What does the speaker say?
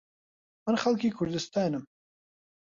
من خەڵکی کوردستانم.